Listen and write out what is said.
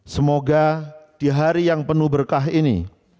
semoga di hari yang penuh berkah ini